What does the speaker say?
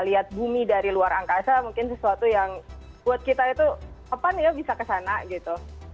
lihat bumi dari luar angkasa mungkin sesuatu yang buat kita itu kapan ya bisa ke sana gitu